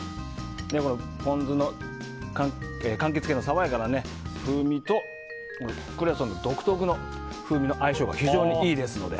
ポン酢の柑橘系の爽やかな風味とクレソンの独特の風味の相性が非常にいいですので。